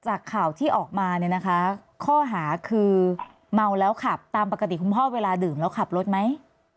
จากข่าวที่ออกมาเนี่ยนะคะข้อหาคือเมาแล้วขับตามปกติคุณพ่อเวลาดื่มแล้วขับรถไหม